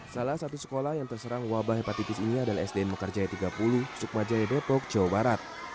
salah satu sekolah yang terserang wabah hepatitis ini adalah sdn mekarjaya tiga puluh sukmajaya depok jawa barat